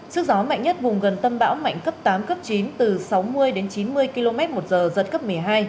sức gió mạnh nhất vùng gần tâm bão mạnh cấp tám cấp chín từ sáu mươi đến chín mươi km một giờ giật cấp một mươi hai